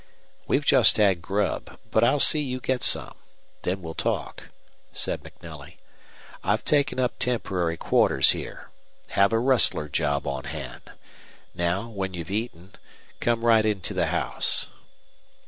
"We've just had grub, but I'll see you get some. Then we'll talk," said MacNelly. "I've taken up temporary quarters here. Have a rustler job on hand. Now, when you've eaten, come right into the house."